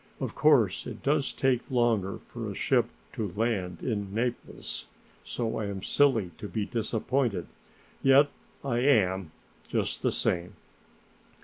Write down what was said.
Of course it does take longer for a ship to land in Naples, so I am silly to be disappointed, yet I am just the same!